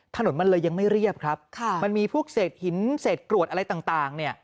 ถนนมันเลยยังไม่เรียบครับค่ะมันมีพวกเศษหินเศษกรวดอะไรต่างเนี่ย